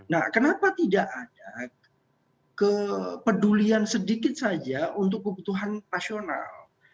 nah kenapa tidak ada kepedulian sedikit saja untuk kebutuhan nasional